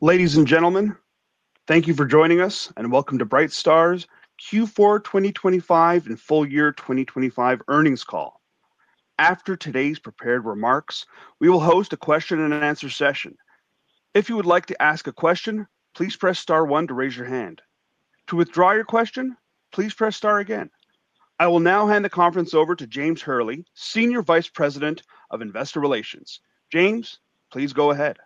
Ladies and gentlemen, thank you for joining us. Welcome to Brightstar's Q4 2025 and full year 2025 earnings call. After today's prepared remarks, we will host a question and an answer session. If you would like to ask a question, please press star one to raise your hand. To withdraw your question, please press star again. I will now hand the conference over to James Hurley, Senior Vice President of Investor Relations. James, please go ahead.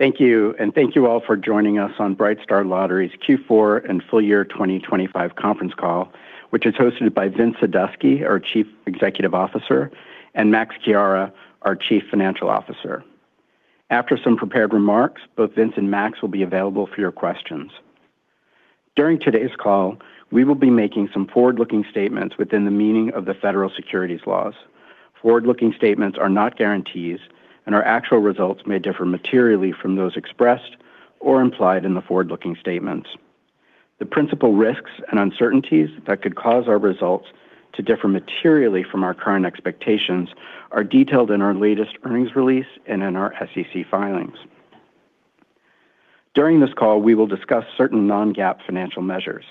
Thank you, and thank you all for joining us on Brightstar Lottery's Q4 and full year 2025 conference call, which is hosted by Vincent Sadusky, our Chief Executive Officer, and Massimiliano Chiara, our Chief Financial Officer. After some prepared remarks, both Vince and Max will be available for your questions. During today's call, we will be making some forward-looking statements within the meaning of the federal securities laws. Forward-looking statements are not guarantees, and our actual results may differ materially from those expressed or implied in the forward-looking statements. The principal risks and uncertainties that could cause our results to differ materially from our current expectations are detailed in our latest earnings release and in our SEC filings. During this call, we will discuss certain non-GAAP financial measures.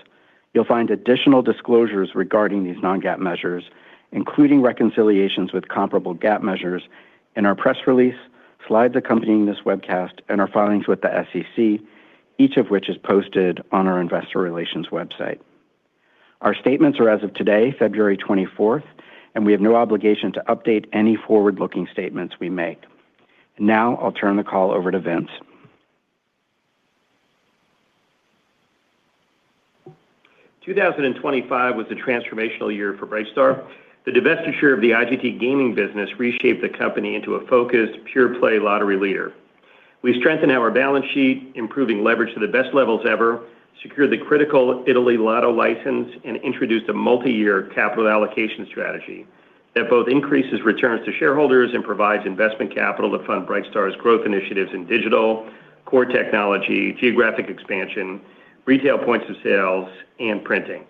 You'll find additional disclosures regarding these non-GAAP measures, including reconciliations with comparable GAAP measures in our press release, slides accompanying this webcast, and our filings with the SEC, each of which is posted on our investor relations website. Our statements are as of today, 24 February. We have no obligation to update any forward-looking statements we make. Now, I'll turn the call over to Vince. 2025 was a transformational year for Brightstar. The divestiture of the IGT gaming business reshaped the company into a focused, pure-play lottery leader. We strengthened our balance sheet, improving leverage to the best levels ever, secured the critical Italy Lotto license, and introduced a multi-year capital allocation strategy that both increases returns to shareholders and provides investment capital to fund Brightstar's growth initiatives in digital, core technology, geographic expansion, retail points of sales, and printing.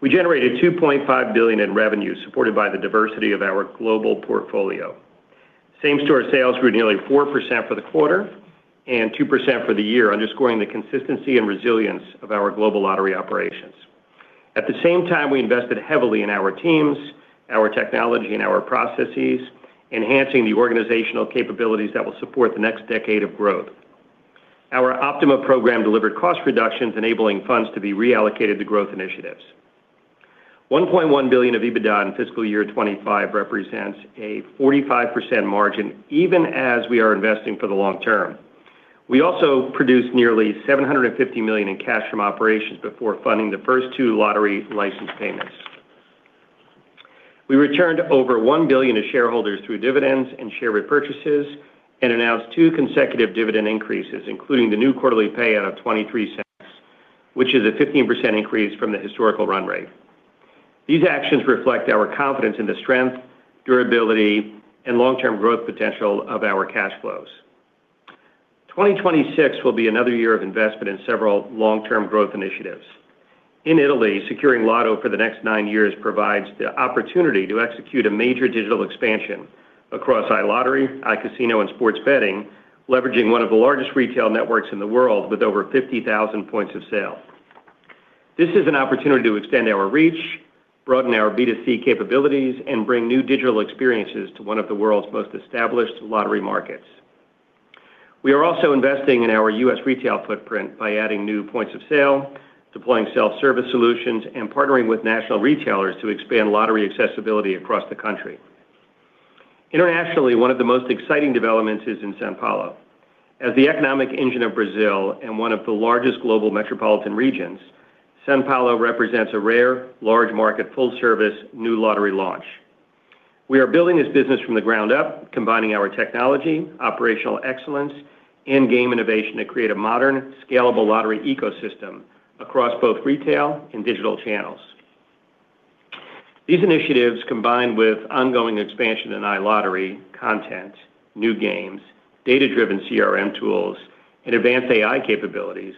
We generated $2.5 billion in revenue, supported by the diversity of our global portfolio. Same-store sales grew nearly 4% for the quarter and 2% for the year, underscoring the consistency and resilience of our global lottery operations. At the same time, we invested heavily in our teams, our technology, and our processes, enhancing the organizational capabilities that will support the next decade of growth. Our Optima program delivered cost reductions, enabling funds to be reallocated to growth initiatives. $1.1 billion of EBITDA in fiscal year 2025 represents a 45% margin, even as we are investing for the long term. We also produced nearly $750 million in cash from operations before funding the first two lottery license payments. We returned over $1 billion to shareholders through dividends and share repurchases and announced two consecutive dividend increases, including the new quarterly payout of $0.23, which is a 15% increase from the historical run rate. These actions reflect our confidence in the strength, durability, and long-term growth potential of our cash flows. 2026 will be another year of investment in several long-term growth initiatives. In Italy, securing Lotto for the next nine years provides the opportunity to execute a major digital expansion across iLottery, iCasino, and sports betting, leveraging one of the largest retail networks in the world with over 50,000 points of sale. This is an opportunity to extend our reach, broaden our B2C capabilities, and bring new digital experiences to one of the world's most established lottery markets. We are also investing in our U.S. retail footprint by adding new points of sale, deploying self-service solutions, and partnering with national retailers to expand lottery accessibility across the country. Internationally, one of the most exciting developments is in São Paulo. As the economic engine of Brazil and one of the largest global metropolitan regions, São Paulo represents a rare, large market, full-service, new lottery launch. We are building this business from the ground up, combining our technology, operational excellence, and game innovation to create a modern, scalable lottery ecosystem across both retail and digital channels. These initiatives, combined with ongoing expansion in iLottery, content, new games, data-driven CRM tools, and advanced AI capabilities,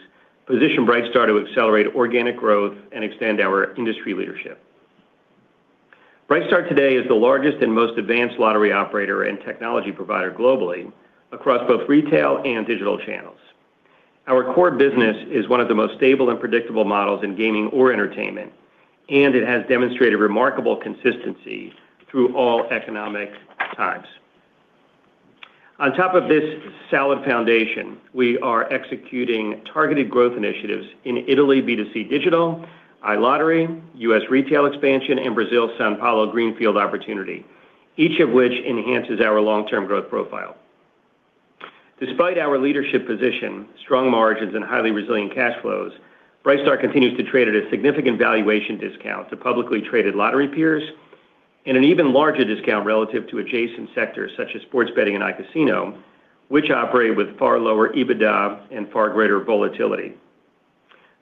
position Brightstar to accelerate organic growth and extend our industry leadership. Brightstar today is the largest and most advanced lottery operator and technology provider globally across both retail and digital channels. Our core business is one of the most stable and predictable models in gaming or entertainment, and it has demonstrated remarkable consistency through all economic times. On top of this solid foundation, we are executing targeted growth initiatives in Italy, B2C digital, iLottery, U.S. retail expansion, and Brazil, São Paulo Greenfield opportunity, each of which enhances our long-term growth profile. Despite our leadership position, strong margins, and highly resilient cash flows, Brightstar continues to trade at a significant valuation discount to publicly traded lottery peers and an even larger discount relative to adjacent sectors such as sports betting and iCasino, which operate with far lower EBITDA and far greater volatility.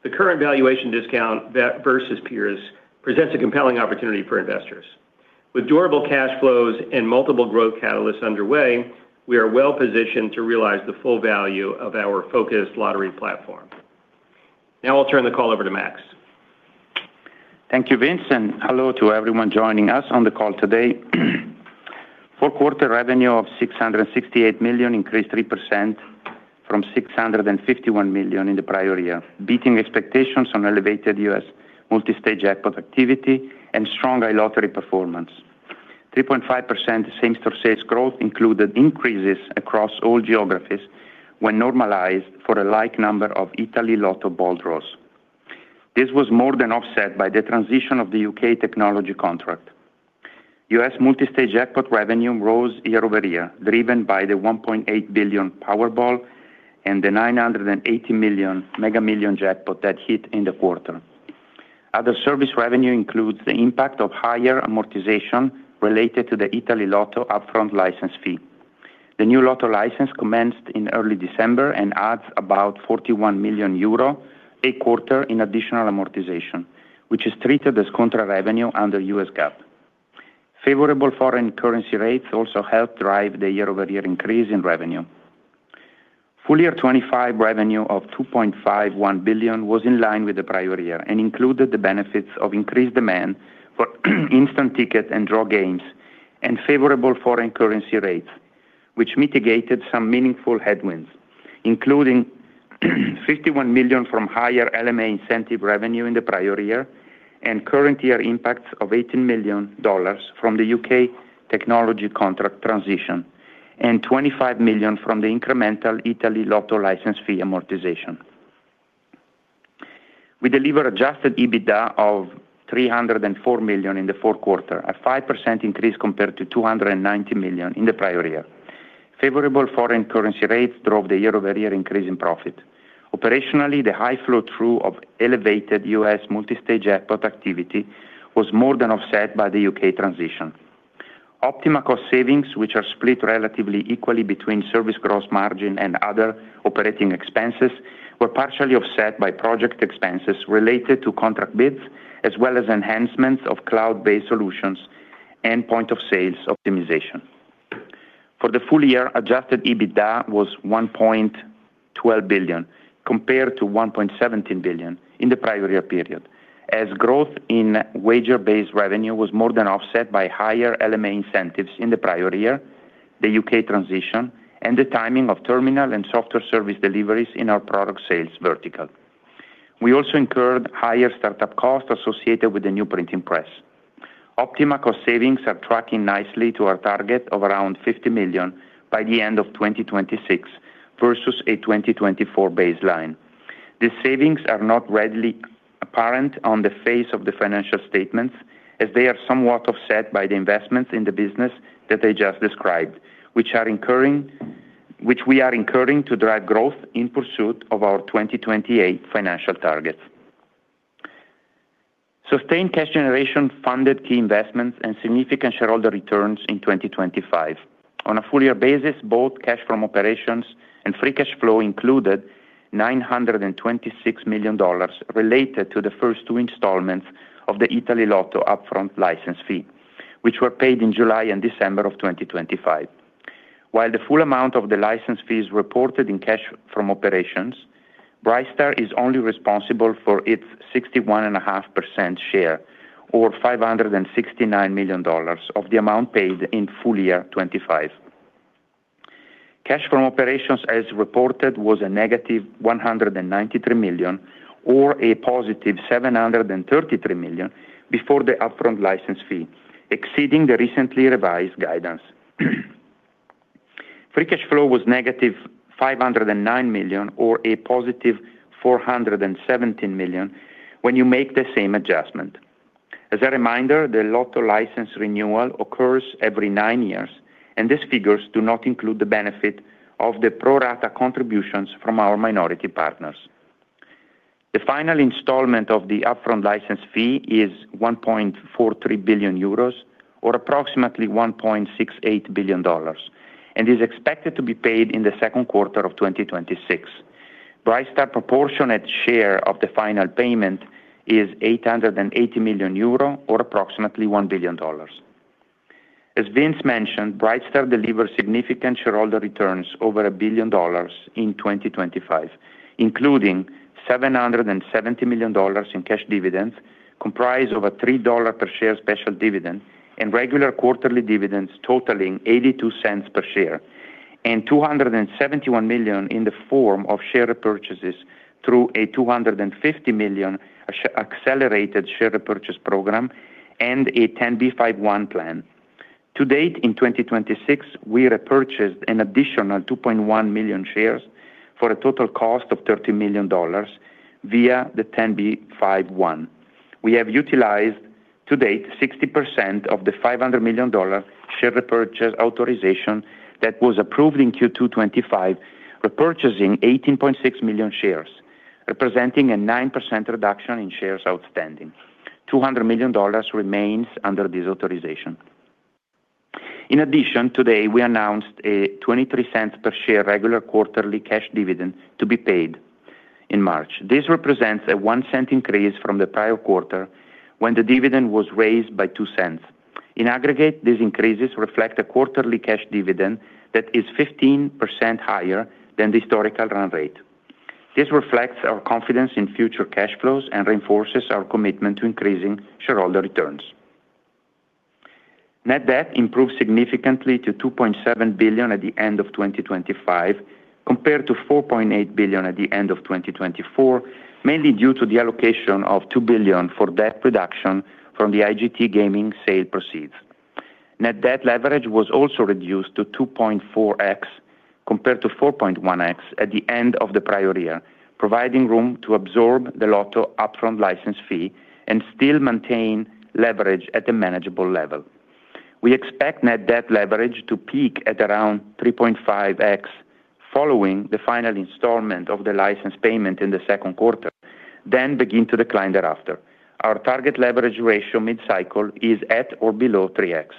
The current valuation discount versus peers presents a compelling opportunity for investors. With durable cash flows and multiple growth catalysts underway, we are well-positioned to realize the full value of our focused lottery platform. I'll turn the call over to Max. Thank you, Vince. Hello to everyone joining us on the call today. Fourth quarter revenue of $668 million increased 3% from $651 million in the prior year, beating expectations on elevated U.S. multi-state jackpot activity and strong iLottery performance. 3.5% same-store sales growth included increases across all geographies when normalized for a like number of Italy Lotto ball draws. This was more than offset by the transition of the U.K. technology contract. U.S. multi-state jackpot revenue rose year-over-year, driven by the $1.8 billion Powerball, and the $980 million Mega Millions jackpot that hit in the quarter. Other service revenue includes the impact of higher amortization related to the Italy Lotto upfront license fee. The new lotto license commenced in early December and adds about 41 million euro a quarter in additional amortization, which is treated as contra revenue under U.S. GAAP. Favorable foreign currency rates also helped drive the year-over-year increase in revenue. Full year 2025 revenue of $2.51 billion was in line with the prior year and included the benefits of increased demand for instant ticket and draw games and favorable foreign currency rates, which mitigated some meaningful headwinds, including $51 million from higher LMA incentive revenue in the prior year and current year impacts of $18 million from the U.K. technology contract transition and $25 million from the incremental Italy Lotto license fee amortization. We delivered adjusted EBITDA of $304 million in Q4, a 5% increase compared to $290 million in the prior year. Favorable foreign currency rates drove the year-over-year increase in profit. Operationally, the high flow-through of elevated U.S. multi-state jackpot activity was more than offset by the U.K. transition. OPtiMa cost savings, which are split relatively equally between service gross margin and other operating expenses, were partially offset by project expenses related to contract bids, as well as enhancements of cloud-based solutions and point-of-sales optimization. For the full year, adjusted EBITDA was $1.12 billion, compared to $1.17 billion in the prior year period, as growth in wager-based revenue was more than offset by higher LMA incentives in the prior year, the U.K. transition, and the timing of terminal and software service deliveries in our product sales vertical. We also incurred higher start-up costs associated with the new printing press. OPtiMa cost savings are tracking nicely to our target of around $50 million by the end of 2026 versus a 2024 baseline. These savings are not readily apparent on the face of the financial statements as they are somewhat offset by the investments in the business that I just described, which we are incurring to drive growth in pursuit of our 2028 financial targets. Sustained cash generation funded key investments and significant shareholder returns in 2025. On a full year basis, both cash from operations and free cash flow included $926 million related to the first two installments of the Italy Lotto upfront license fee, which were paid in July and December of 2025. While the full amount of the license fee is reported in cash from operations, Brightstar is only responsible for its 61.5% share, or $569 million of the amount paid in full year 2025. Cash from operations, as reported, was a negative $193 million or a positive $733 million before the upfront license fee, exceeding the recently revised guidance. Free cash flow was negative $509 million or a positive $417 million when you make the same adjustment. As a reminder, the lotto license renewal occurs every nine years, these figures do not include the benefit of the pro rata contributions from our minority partners. The final installment of the upfront license fee is 1.43 billion euros or approximately $1.68 billion and is expected to be paid in the Q2 of 2026. Brightstar proportionate share of the final payment is 880 million euro or approximately $1 billion. As Vince mentioned, Brightstar delivered significant shareholder returns over $1 billion in 2025, including $770 million in cash dividends, comprised of a $3 per share special dividend and regular quarterly dividends totaling $0.82 per share, and $271 million in the form of share repurchases through a $250 million accelerated share repurchase program and a 10b5-1 plan. To date, in 2026, we repurchased an additional 2.1 million shares for a total cost of $13 million via the 10b5-1. We have utilized to date 60% of the $500 million share repurchase authorization that was approved in Q2 2025, repurchasing 18.6 million shares, representing a 9% reduction in shares outstanding. $200 million remains under this authorization. In addition, today we announced a $0.23 per share regular quarterly cash dividend to be paid in March. This represents a $0.01 increase from the prior quarter, when the dividend was raised by $0.02. In aggregate, these increases reflect a quarterly cash dividend that is 15% higher than the historical run rate. This reflects our confidence in future cash flows and reinforces our commitment to increasing shareholder returns. Net debt improved significantly to $2.7 billion at the end of 2025, compared to $4.8 billion at the end of 2024, mainly due to the allocation of $2 billion for debt reduction from the IGT gaming sale proceeds. Net debt leverage was also reduced to 2.4x, compared to 4.1x at the end of the prior year, providing room to absorb the lotto upfront license fee and still maintain leverage at a manageable level. We expect net debt leverage to peak at around 3.5x, following the final installment of the license payment in the second quarter, then begin to decline thereafter. Our target leverage ratio mid-cycle is at or below 3x.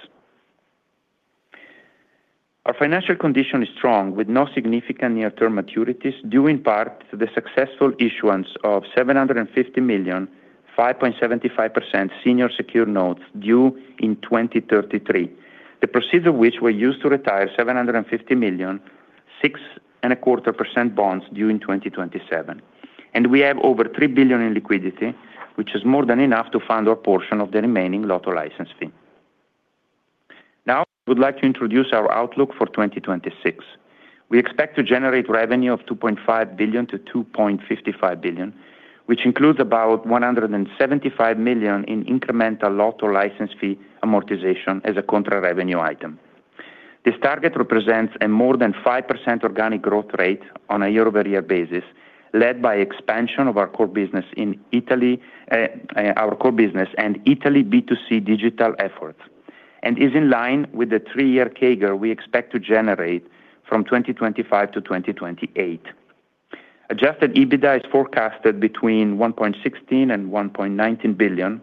Our financial condition is strong, with no significant near-term maturities, due in part to the successful issuance of $750 million, 5.75% senior secured notes due in 2033. The proceeds of which were used to retire $750 million, 6.25% bonds due in 2027, and we have over $3 billion in liquidity, which is more than enough to fund our portion of the remaining lotto license fee. I would like to introduce our outlook for 2026. We expect to generate revenue of $2.5 billion-$2.55 billion, which includes about $175 million in incremental lotto license fee amortization as a contra revenue item. This target represents a more than 5% organic growth rate on a year-over-year basis, led by expansion of our core business in Italy B2C digital efforts, and is in line with the three-year CAGR we expect to generate from 2025 to 2028. Adjusted EBITDA is forecasted between $1.16 billion and $1.19 billion,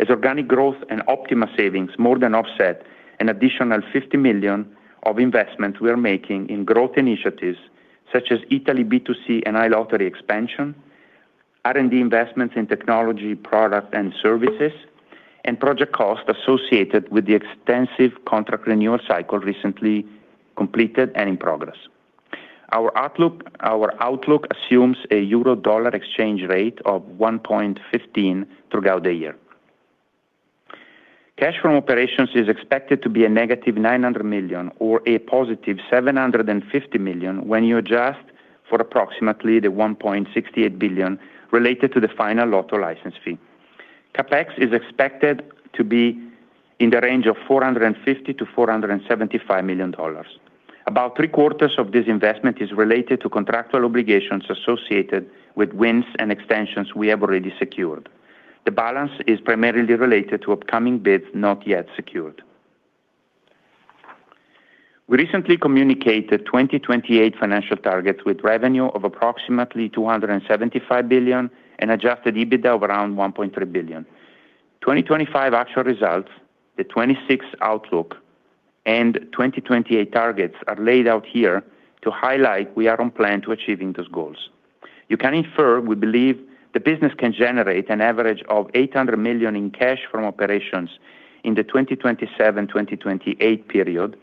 as organic growth and OPtiMa savings more than offset an additional $50 million of investment we are making in growth initiatives such as Italy B2C and iLottery expansion, R&D investments in technology, product and services, and project costs associated with the extensive contract renewal cycle recently completed and in progress. Our outlook assumes a euro-dollar exchange rate of 1.15 throughout the year. Cash from operations is expected to be -$900 million or +$750 million when you adjust for approximately the $1.68 billion related to the final Lotto license fee. CapEx is expected to be in the range of $450 to 475 million. About three quarters of this investment is related to contractual obligations associated with wins and extensions we have already secured. The balance is primarily related to upcoming bids not yet secured. We recently communicated 2028 financial targets with revenue of approximately $275 billion and adjusted EBITDA of around $1.3 billion. 2025 actual results, the 2026 outlook, and 2028 targets are laid out here to highlight we are on plan to achieving those goals. You can infer, we believe the business can generate an average of $800 million in cash from operations in the 2027/2028 period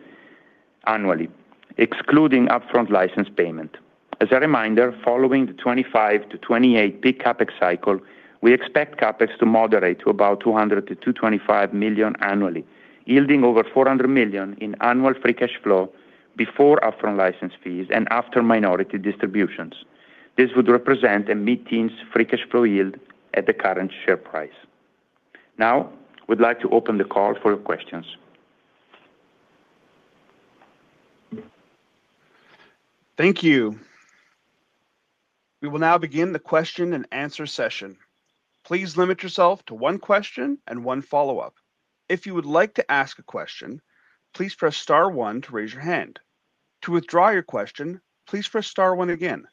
annually, excluding upfront license payment. A reminder, following the 2025-2028 peak CapEx cycle, we expect CapEx to moderate to about $200 to 225 million annually, yielding over $400 million in annual free cash flow before upfront license fees and after minority distributions. This would represent a mid-teens free cash flow yield at the current share price. We'd like to open the call for your questions. Thank you. We will now begin the question-and-answer session. Please limit yourself to one question and one follow-up. If you would like to ask a question, please press star one to raise your hand. To withdraw your question, please press star one again.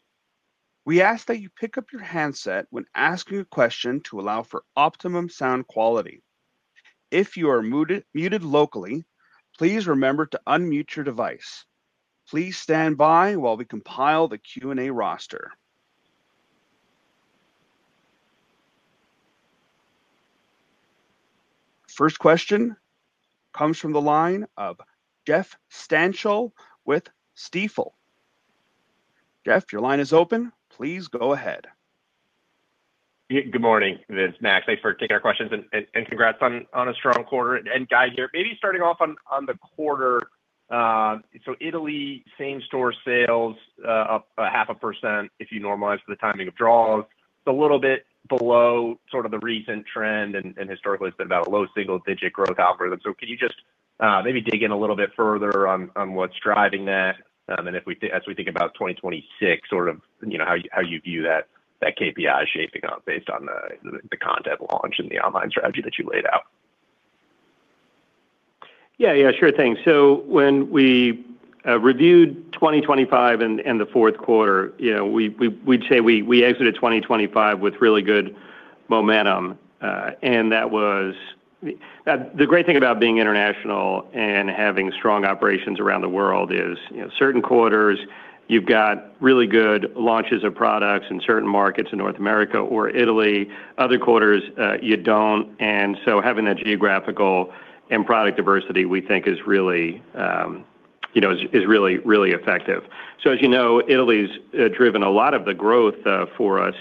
We ask that you pick up your handset when asking a question to allow for optimum sound quality. If you are muted locally, please remember to unmute your device. Please stand by while we compile the Q&A roster. First question comes from the line of Jeff Stantial with Stifel. Jeff, your line is open. Please go ahead. Good morning, Vince, Max, thanks for taking our questions and congrats on a strong quarter and guide here. Maybe starting off on the quarter. Italy, same-store sales, up 0.5% if you normalize for the timing of draws. It's a little bit below sort of the recent trend, and historically, it's been about a low single-digit growth algorithm. Can you just maybe dig in a little bit further on what's driving that? If we think as we think about 2026, sort of, you know, how you view that KPI shaping up based on the content launch and the online strategy that you laid out. Yeah, yeah, sure thing. When we reviewed 2025 and the Q4, you know, we'd say we exited 2025 with really good momentum. That was. The great thing about being international and having strong operations around the world is, you know, certain quarters, you've got really good launches of products in certain markets in North America or Italy, other quarters, you don't. Having that geographical and product diversity, we think is really.... you know, is really, really effective. As you know, Italy's driven a lot of the growth for us,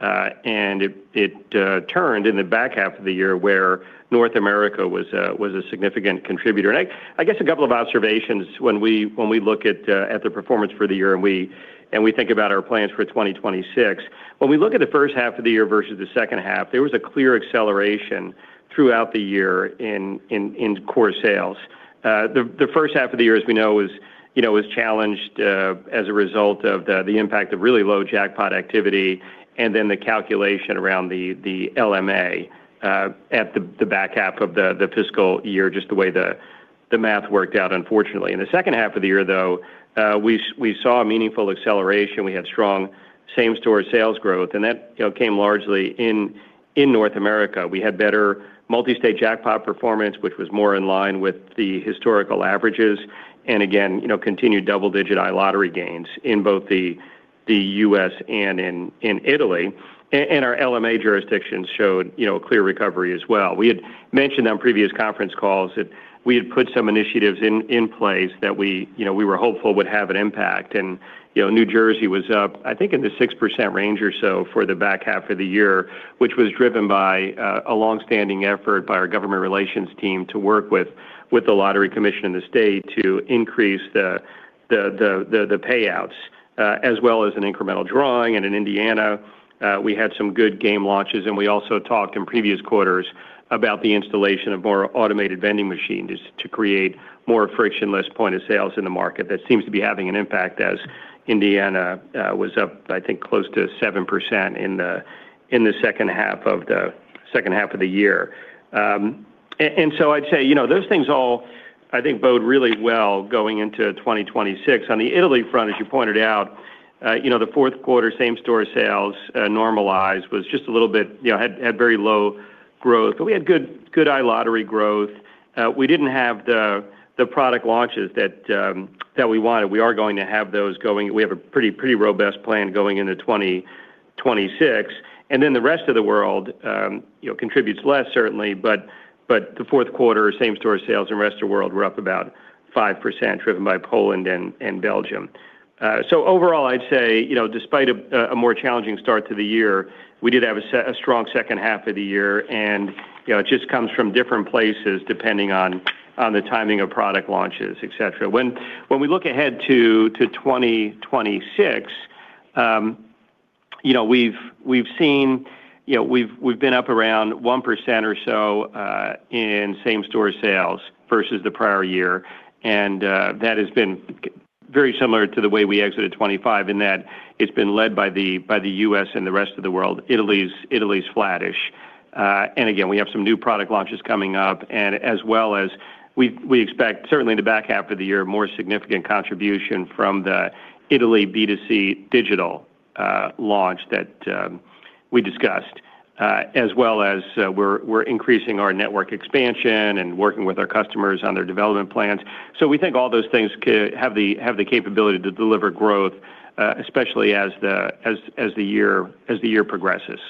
and it turned in the back half of the year where North America was a significant contributor. I guess a couple of observations when we look at the performance for the year, and we think about our plans for 2026. When we look at the first half of the year versus the second half, there was a clear acceleration throughout the year in core sales. The first half of the year, as we know, was, you know, was challenged as a result of the impact of really low jackpot activity and then the calculation around the LMA at the back half of the fiscal year, just the way the math worked out, unfortunately. In the second half of the year, though, we saw a meaningful acceleration. We had strong same-store sales growth, and that, you know, came largely in North America. We had better multi-state jackpot performance, which was more in line with the historical averages, and again, you know, continued double-digit iLottery gains in both the U.S. and in Italy. Our LMA jurisdictions showed, you know, a clear recovery as well. We had mentioned on previous conference calls that we had put some initiatives in place that we, you know, we were hopeful would have an impact. You know, New Jersey was up, I think, in the 6% range or so for the back half of the year, which was driven by a long-standing effort by our government relations team to work with the lottery commission in the state to increase the payouts, as well as an incremental drawing. In Indiana, we had some good game launches, and we also talked in previous quarters about the installation of more automated vending machines to create more frictionless point of sales in the market. That seems to be having an impact, as Indiana was up, I think, close to 7% in the second half of the year. I'd say, you know, those things all, I think, bode really well going into 2026. On the Italy front, as you pointed out, you know, the fourth quarter same-store sales, normalized, was just a little bit, you know, had very low growth. We had good iLottery growth. We didn't have the product launches that we wanted. We are going to have those. We have a pretty robust plan going into 2026. The rest of the world, you know, contributes less, certainly, but the fourth quarter same-store sales and rest of world were up about 5%, driven by Poland and Belgium. Overall, I'd say, you know, despite a more challenging start to the year, we did have a strong second half of the year, and, you know, it just comes from different places, depending on the timing of product launches, et cetera. When we look ahead to 2026, you know, we've been up around 1% or so in same-store sales versus the prior year, and that has been very similar to the way we exited 2025, in that it's been led by the U.S. and the rest of the world. Italy's flattish. Again, we have some new product launches coming up, and as well as we expect, certainly in the back half of the year, more significant contribution from the Italy B2C digital launch that we discussed, as well as we're increasing our network expansion and working with our customers on their development plans. We think all those things have the capability to deliver growth, especially as the year progresses.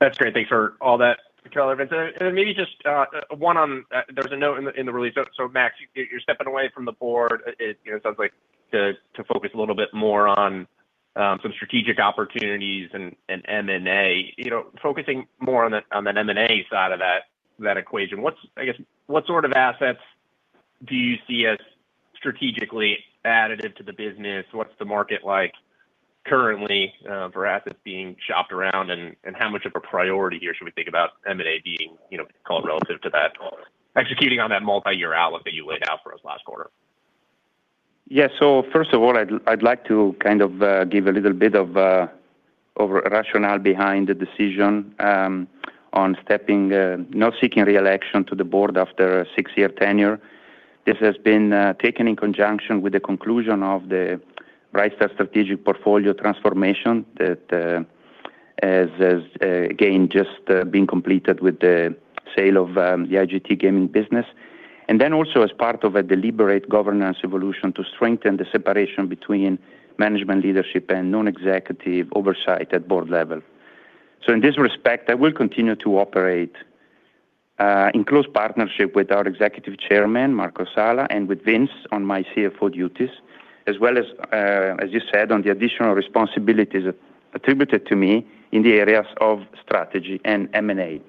That's great. Thanks for all that, Max and Vince. Then maybe just one on. There was a note in the release. Max, you're stepping away from the board, sounds like to focus a little bit more on some strategic opportunities and M&A. Focusing more on the M&A side of that equation, what's, I guess, what sort of assets do you see as strategically additive to the business? What's the market like currently for assets being shopped around, and how much of a priority here should we think about M&A being, call it relative to that, executing on that multiyear outlook that you laid out for us last quarter? First of all, I'd like to kind of give a little bit of a rationale behind the decision on stepping not seeking re-election to the board after a six-year tenure. This has been taken in conjunction with the conclusion of the Brightstar strategic portfolio transformation that has again just been completed with the sale of the IGT gaming business, and then also as part of a deliberate governance evolution to strengthen the separation between management leadership and non-executive oversight at board level. In this respect, I will continue to operate in close partnership with our executive chairman, Marco Sala, and with Vince on my CFO duties, as well as you said, on the additional responsibilities attributed to me in the areas of strategy and M&A.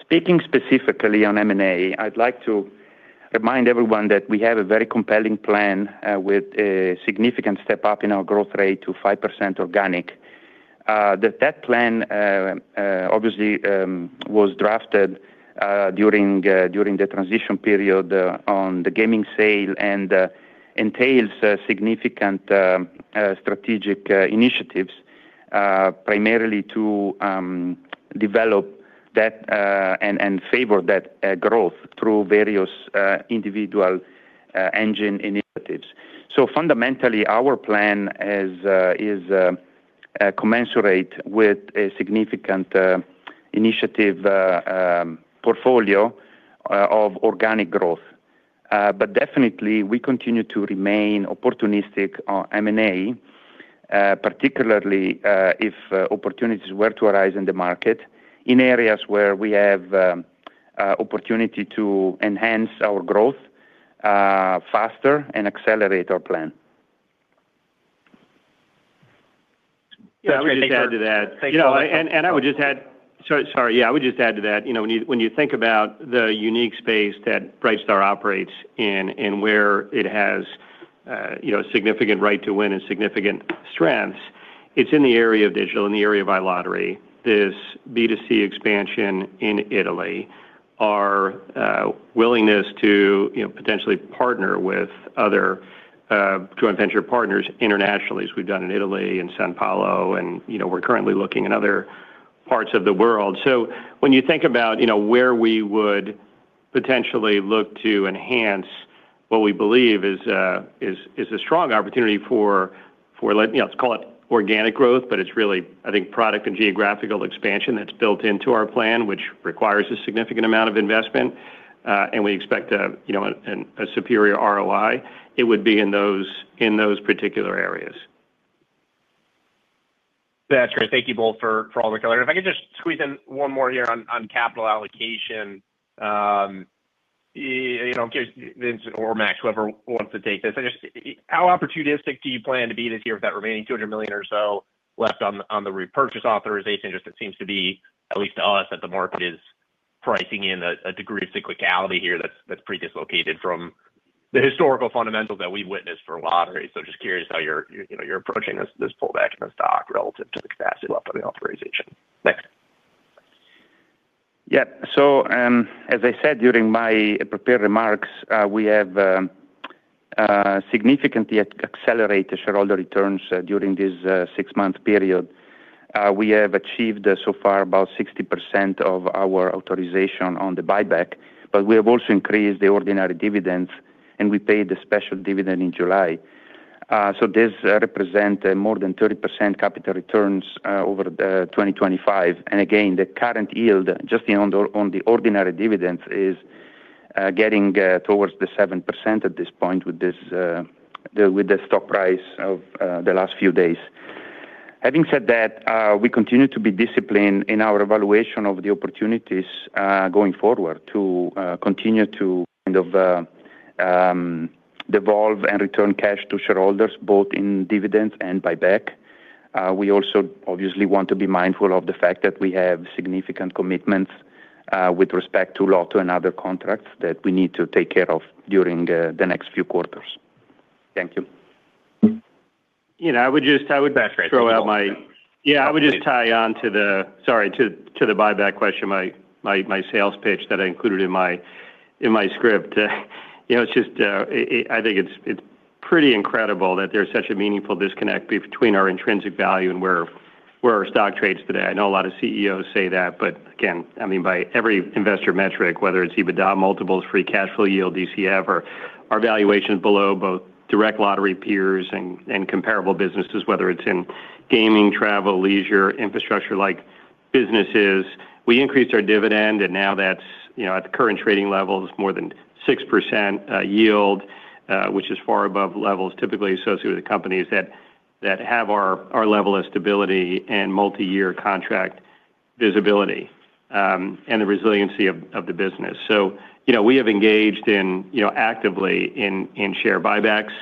Speaking specifically on M&A, I'd like to remind everyone that we have a very compelling plan with a significant step up in our growth rate to 5% organic. That plan obviously was drafted during the transition period on the gaming sale and entails significant strategic initiatives primarily to develop that and favor that growth through various individual engine initiatives. Fundamentally, our plan is commensurate with a significant initiative portfolio of organic growth. Definitely, we continue to remain opportunistic on M&A.... particularly, if, opportunities were to arise in the market, in areas where we have, opportunity to enhance our growth, faster and accelerate our plan. Yeah, I'll just add to that. You know, and I would just add to that. You know, when you think about the unique space that Brightstar operates in, and where it has, you know, significant right to win and significant strengths, it's in the area of digital, in the area of iLottery. This B2C expansion in Italy, our willingness to, you know, potentially partner with other joint venture partners internationally, as we've done in Italy and São Paulo, and, you know, we're currently looking in other parts of the world. When you think about, you know, where we would potentially look to enhance what we believe is a strong opportunity for let's call it organic growth, but it's really, I think, product and geographical expansion that's built into our plan, which requires a significant amount of investment, and we expect a, you know, and a superior ROI, it would be in those, in those particular areas. That's great. Thank you both for all the color. If I could just squeeze in one more here on capital allocation, you know, Vince or Max, whoever wants to take this? How opportunistic do you plan to be this year with that remaining $200 million or so left on the repurchase authorization? Just it seems to be, at least to us, that the market is pricing in a degree of cyclicality here that's pretty dislocated from the historical fundamentals that we've witnessed for lottery. Just curious how you're, you know, you're approaching this pullback in the stock relative to the capacity level of the authorization. Thanks. As I said during my prepared remarks, we have significantly accelerated shareholder returns during this six-month period. We have achieved so far about 60% of our authorization on the buyback, but we have also increased the ordinary dividends, and we paid the special dividend in July. This represent more than 30% capital returns over the 2025. Again, the current yield, just on the ordinary dividends, is getting towards the 7% at this point with this with the stock price of the last few days. Having said that, we continue to be disciplined in our evaluation of the opportunities going forward to continue to kind of devolve and return cash to shareholders, both in dividends and buyback. We also obviously want to be mindful of the fact that we have significant commitments with respect to Lotto and other contracts that we need to take care of during the next few quarters. Thank you. You know, I would just throw out. Yeah, I would just tie on to the. Sorry, to the buyback question, my sales pitch that I included in my, in my script. You know, it's just, it's pretty incredible that there's such a meaningful disconnect between our intrinsic value and where our stock trades today. I know a lot of CEOs say that, but again, I mean, by every investor metric, whether it's EBITDA, multiples, free cash flow yield, DCF, or our valuation below both direct lottery peers and comparable businesses, whether it's in gaming, travel, leisure, infrastructure-like businesses. We increased our dividend. Now that's, you know, at the current trading levels, more than 6% yield, which is far above levels typically associated with companies that have our level of stability and multiyear contract visibility, and the resiliency of the business. You know, we have engaged in, you know, actively in share buybacks.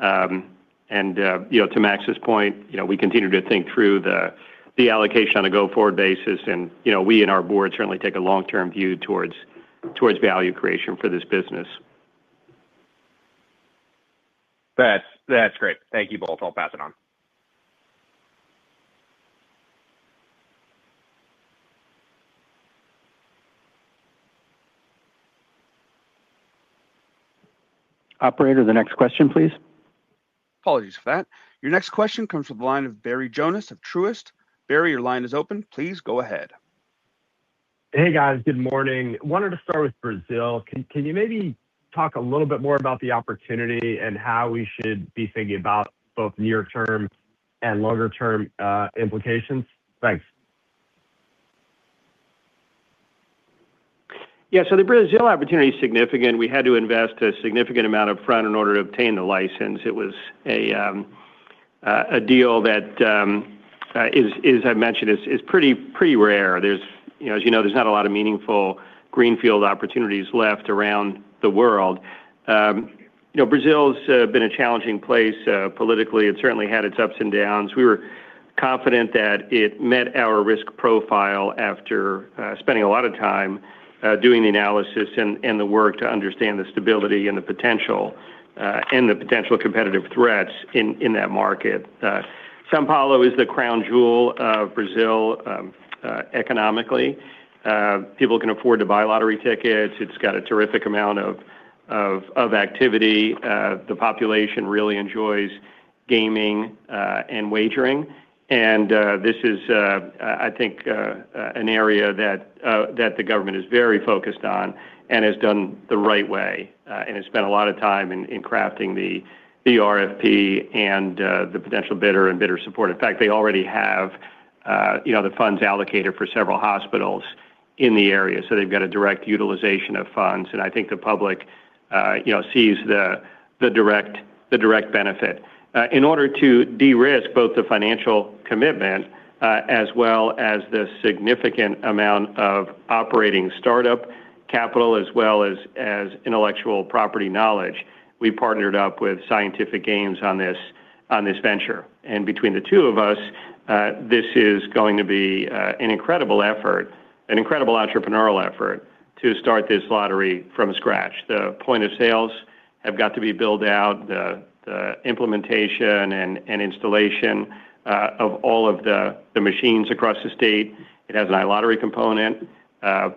You know, to Max's point, you know, we continue to think through the allocation on a go-forward basis. You know, we and our board certainly take a long-term view towards value creation for this business. That's great. Thank you both. I'll pass it on. Operator, the next question, please. Apologies for that. Your next question comes from the line of Barry Jonas of Truist. Barry, your line is open. Please go ahead. Hey, guys. Good morning. Wanted to start with Brazil. Can you maybe talk a little bit more about the opportunity and how we should be thinking about both near-term and longer-term implications? Thanks. The Brazil opportunity is significant. We had to invest a significant amount upfront in order to obtain the license. It was a deal that, as I mentioned, is pretty rare. You know, as you know, there's not a lot of meaningful Greenfield opportunities left around the world. You know, Brazil's been a challenging place politically. It certainly had its ups and downs. We were confident that it met our risk profile after spending a lot of time doing the analysis and the work to understand the stability and the potential competitive threats in that market. São Paulo is the crown jewel of Brazil economically. People can afford to buy lottery tickets. It's got a terrific amount of activity. The population really enjoys gaming and wagering. This is, I think, an area that the government is very focused on and has done the right way and has spent a lot of time in crafting the RFP and the potential bidder and bidder support. They already have, you know, the funds allocated for several hospitals in the area, so they've got a direct utilization of funds, and I think the public, you know, sees the direct benefit. In order to de-risk both the financial commitment, as well as the significant amount of operating startup capital, as well as intellectual property knowledge, we partnered up with Scientific Games on this, on this venture. Between the two of us, this is going to be an incredible effort, an incredible entrepreneurial effort to start this lottery from scratch. The point of sales have got to be built out, the implementation and installation of all of the machines across the state. It has an iLottery component.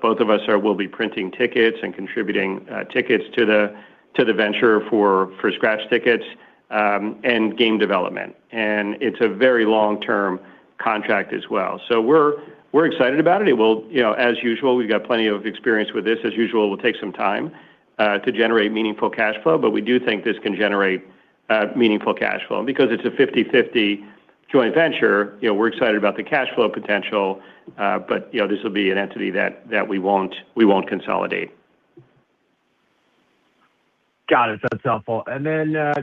Both of us will be printing tickets and contributing tickets to the venture for scratch tickets and game development. It's a very long-term contract as well. We're excited about it. It will, you know, as usual, we've got plenty of experience with this. As usual, it will take some time to generate meaningful cash flow, but we do think this can generate meaningful cash flow. Because it's a 50/50 joint venture, you know, we're excited about the cash flow potential, you know, this will be an entity that we won't consolidate. Got it. That's helpful.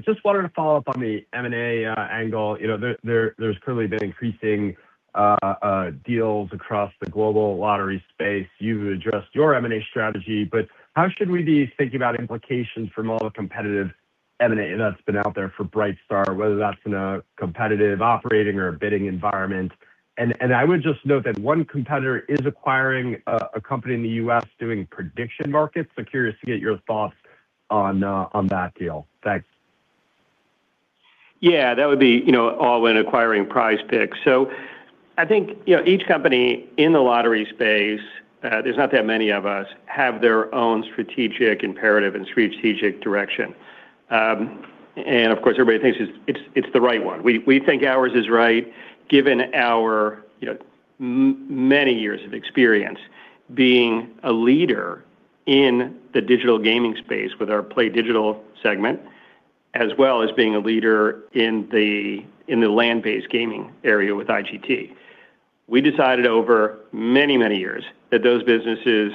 Just wanted to follow up on the M&A angle. You know, there's currently been increasing deals across the global lottery space. You've addressed your M&A strategy, but how should we be thinking about implications from all the competitive M&A that's been out there for Brightstar, whether that's in a competitive operating or a bidding environment? I would just note that one competitor is acquiring a company in the U.S. doing prediction markets, so curious to get your thoughts on that deal. Thanks. Yeah, that would be, you know, Allwyn acquiring PrizePicks. I think, you know, each company in the lottery space, there's not that many of us, have their own strategic imperative and strategic direction. Of course, everybody thinks it's the right one. We think ours is right, given our, you know, many years of experience being a leader in the digital gaming space with our PlayDigital segment, as well as being a leader in the, in the land-based gaming area with IGT. We decided over many, many years that those businesses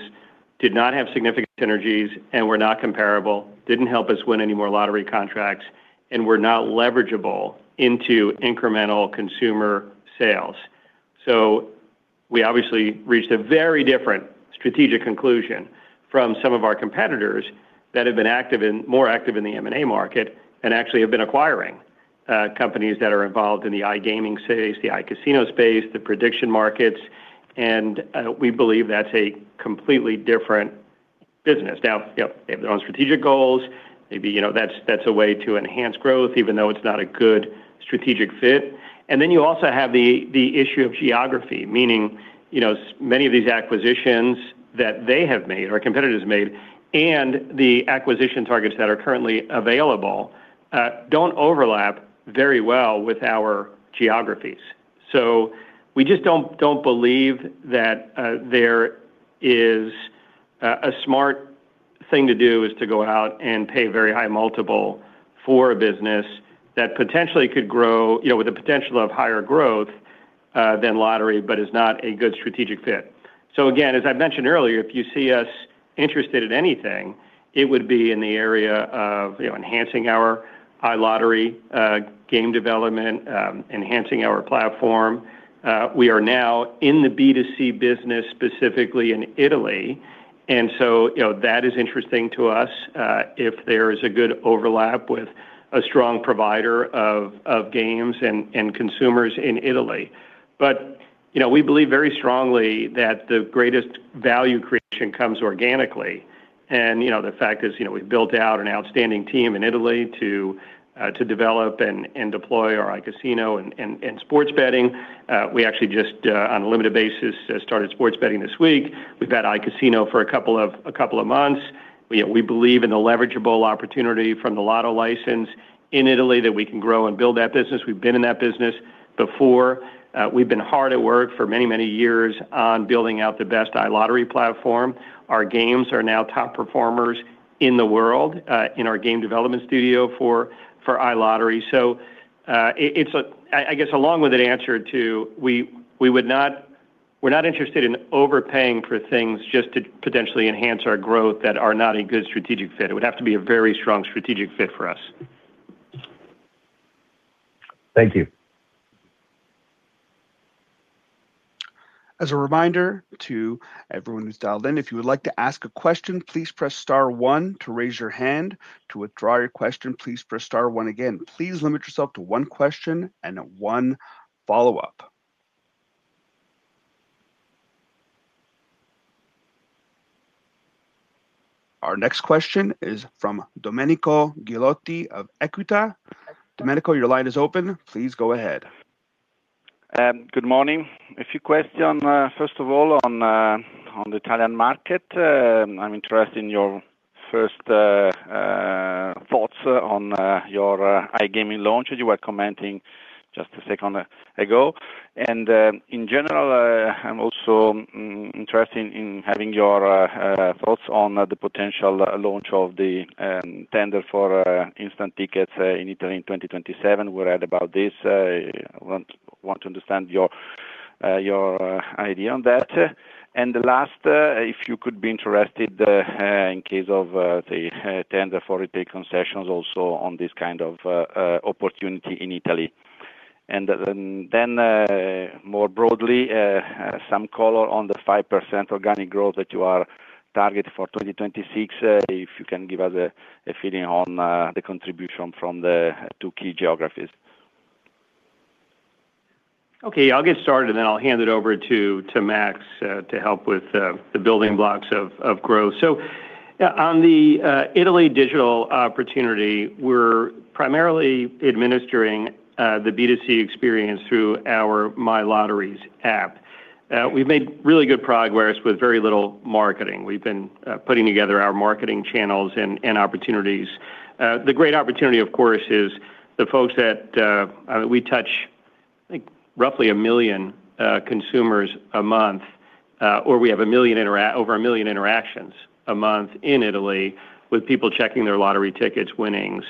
did not have significant synergies and were not comparable, didn't help us win any more lottery contracts, and were not leverageable into incremental consumer sales. We obviously reached a very different strategic conclusion from some of our competitors that have been more active in the M&A market and actually have been acquiring companies that are involved in the iGaming space, the iCasino space, the prediction markets, and we believe that's a completely different business. You know, they have their own strategic goals. Maybe, you know, that's a way to enhance growth, even though it's not a good strategic fit. You also have the issue of geography, meaning, you know, many of these acquisitions that they have made, or competitors have made, and the acquisition targets that are currently available, don't overlap very well with our geographies. We just don't believe that there is... a smart thing to do is to go out and pay a very high multiple for a business that potentially could grow, you know, with the potential of higher growth, than lottery, but is not a good strategic fit. Again, as I mentioned earlier, if you see us interested in anything, it would be in the area of, you know, enhancing our iLottery, game development, enhancing our platform. We are now in the B2C business, specifically in Italy. You know, that is interesting to us, if there is a good overlap with a strong provider of games and consumers in Italy. You know, we believe very strongly that the greatest value creation comes organically, and, you know, the fact is, you know, we've built out an outstanding team in Italy to develop and deploy our iCasino and sports betting. We actually just on a limited basis started sports betting this week. We've had iCasino for a couple of months. We believe in the leverageable opportunity from the Lotto license in Italy, that we can grow and build that business. We've been in that business before. We've been hard at work for many, many years on building out the best iLottery platform. Our games are now top performers in the world, in our game development studio for iLottery. It, it's a... I guess, along with an answer to, we're not interested in overpaying for things just to potentially enhance our growth that are not a good strategic fit. It would have to be a very strong strategic fit for us. Thank you. As a reminder to everyone who's dialed in, if you would like to ask a question, please press star one to raise your hand. To withdraw your question, please press star one again. Please limit yourself to one question and one follow-up. Our next question is from Domenico Ghilotti of Equita. Domenico, your line is open. Please go ahead. Good morning. A few question, first of all, on the Italian market. I'm interested in your first thoughts on your iGaming launch, as you were commenting just a second ago. In general, I'm also interested in having your thoughts on the potential launch of the tender for instant tickets in Italy in 2027. We read about this. I want to understand your idea on that. The last, if you could be interested, in case of the tender for retail concessions also on this kind of opportunity in Italy. Then, more broadly, some color on the 5% organic growth that you are targeted for 2026, if you can give us a feeling on the contribution from the two key geographies? I'll get started, then I'll hand it over to Max to help with the building blocks of growth. On the Italy digital opportunity, we're primarily administering the B2C experience through our My Lotteries app. We've made really good progress with very little marketing. We've been putting together our marketing channels and opportunities. The great opportunity, of course, is the folks that we touch, I think, roughly a million consumers a month, or we have over a million interactions a month in Italy with people checking their lottery tickets, winnings,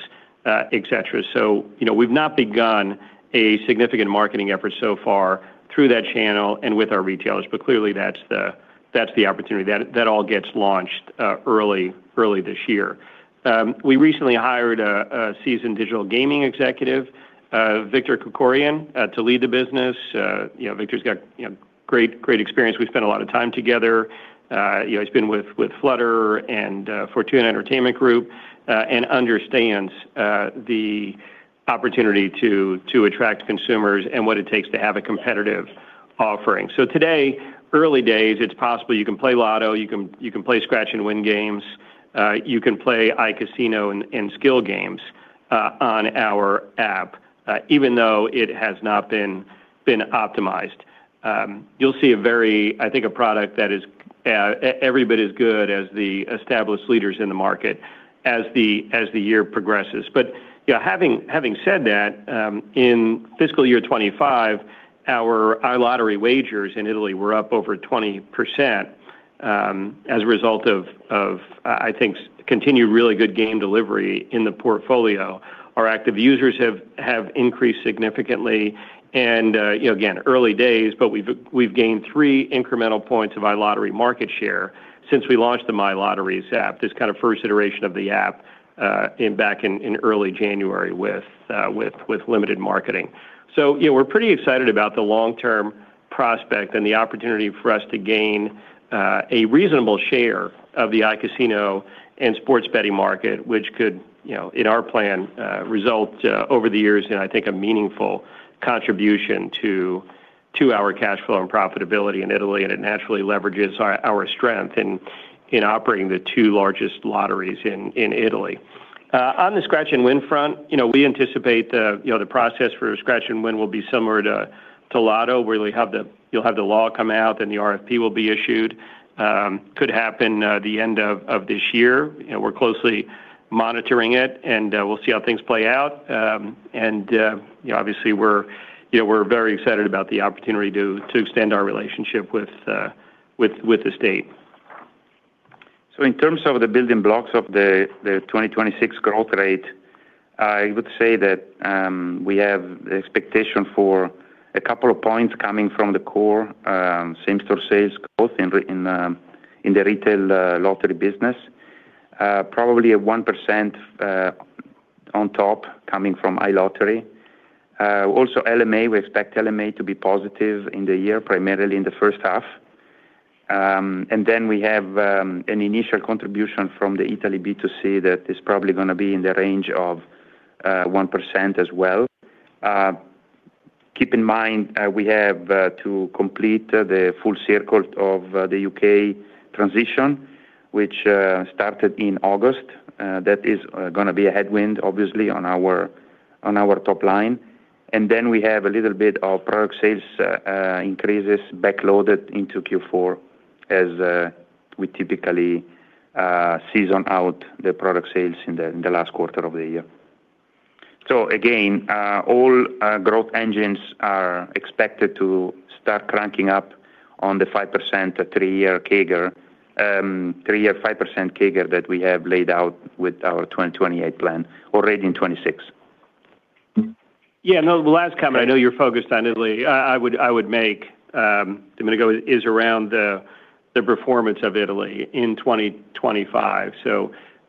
et cetera. You know, we've not begun a significant marketing effort so far through that channel and with our retailers, but clearly that's the opportunity. That all gets launched early this year. We recently hired a seasoned digital gaming executive, Victor Krikorian, to lead the business. You know, Victor's got, you know, great experience. We've spent a lot of time together. You know, he's been with Flutter and Fortuna Entertainment Group and understands the opportunity to attract consumers and what it takes to have a competitive offering. Today, early days, it's possible you can play lotto, you can play scratch-and-win games, you can play iCasino and skill games on our app, even though it has not been optimized. You'll see I think a product that is every bit as good as the established leaders in the market as the year progresses. You know, having said that, in fiscal year 2025, our iLottery wagers in Italy were up over 20%, as a result of, I think, continued really good game delivery in the portfolio. Our active users have increased significantly and, you know, again, early days, but we've gained three incremental points of iLottery market share since we launched the My Lotteries app, this kind of first iteration of the app, back in early January with limited marketing. Yeah, we're pretty excited about the long-term prospect and the opportunity for us to gain a reasonable share of the iCasino and sports betting market, which could, you know, in our plan, result over the years in I think a meaningful contribution to our cash flow and profitability in Italy, and it naturally leverages our strength in operating the two largest lotteries in Italy. On the scratch-and-win front, you know, we anticipate the process for scratch-and-win will be similar to Lotto. You'll have the law come out, then the RFP will be issued. Could happen the end of this year, and we're closely monitoring it. We'll see how things play out. You know, obviously we're, you know, we're very excited about the opportunity to extend our relationship with the state. In terms of the building blocks of the 2026 growth rate, I would say that we have the expectation for a couple of points coming from the core same-store sales, both in the retail lottery business. Probably a 1% on top coming from iLottery. Also LMA, we expect LMA to be positive in the year, primarily in the first half. We have an initial contribution from the Italy B2C that is probably gonna be in the range of 1% as well. Keep in mind, we have to complete the full circle of the U.K. transition, which started in August. That is gonna be a headwind, obviously, on our top line. Then we have a little bit of product sales increases backloaded into Q4 as we typically season out the product sales in the last quarter of the year. Again, all growth engines are expected to start cranking up on the 5%, a three-year CAGR, three-year, 5% CAGR that we have laid out with our 2028 plan, or rather in 2026. The last comment, I know you're focused on Italy, I would make, Domenico, is around the performance of Italy in 2025.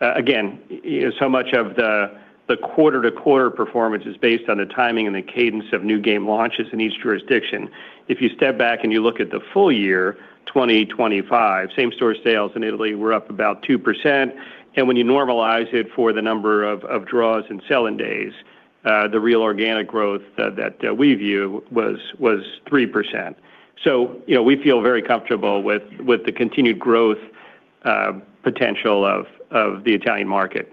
Again, you know, so much of the quarter-to-quarter performance is based on the timing and the cadence of new game launches in each jurisdiction. If you step back and you look at the full year, 2025, same-store sales in Italy were up about 2%, and when you normalize it for the number of draws and selling days, the real organic growth that we view was 3%. You know, we feel very comfortable with the continued growth potential of the Italian market.